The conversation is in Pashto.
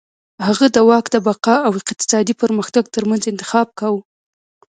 هغه د واک د بقا او اقتصادي پرمختګ ترمنځ انتخاب کاوه.